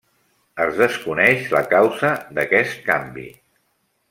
Es desconeix la causa d'aquest canvi.